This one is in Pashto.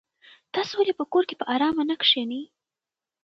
تاسو ولې په کور کې په ارامه نه کېنئ؟